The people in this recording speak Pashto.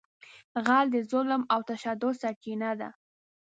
غل د ظلم او تشدد سرچینه ده